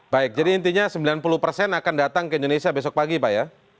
baik jadi intinya sembilan puluh persen akan datang ke indonesia besok pagi pak ya